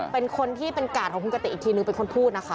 เป็นคนที่เป็นกาดของคุณกติกอีกทีนึงเป็นคนพูดนะคะ